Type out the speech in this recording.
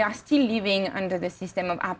masih ada orang beratus ratusan orang